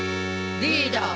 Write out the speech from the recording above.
リーダー。